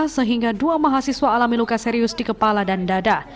sehingga dua mahasiswa alami luka serius di kepala dan dada